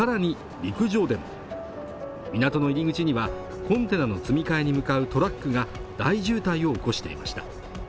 陸上で港の入り口にはコンテナの積み替えに向かうトラックが大渋滞を起こしていました